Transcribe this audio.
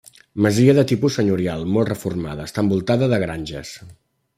Masia de tipus senyorial molt reformada; està envoltada de granges.